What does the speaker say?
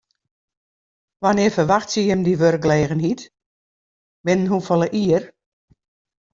Wannear ferwachtsje jim dy wurkgelegenheid, binnen hoefolle jier?